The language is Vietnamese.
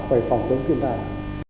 phải phòng chống phiên bài